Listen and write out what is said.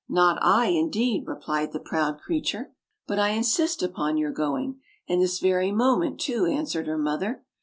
Not I, indeed!" replied the proud creature. "But I insist upon your going, and this very moment too," answered her mother.